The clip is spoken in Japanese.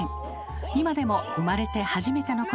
今でも生まれて初めてのことをやりたい。